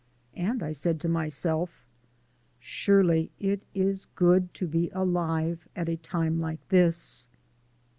And I said to myself: "Surely it is good to be alive at a time like this!"